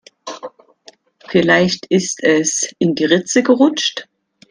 Vielleicht ist es in die Ritze gerutscht.